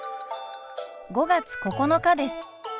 ５月９日です。